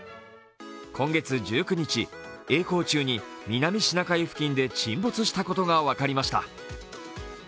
今月１９日、えい航中に南シナ海付近で沈没したことが分かりました。